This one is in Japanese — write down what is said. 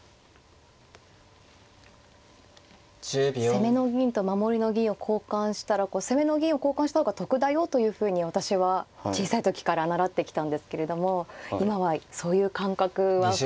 攻めの銀と守りの銀を交換したら攻めの銀を交換した方が得だよというふうに私は小さい時から習ってきたんですけれども今はそういう感覚は古いですか？